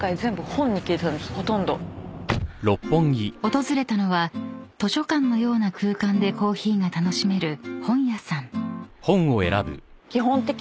［訪れたのは図書館のような空間でコーヒーが楽しめる本屋さん］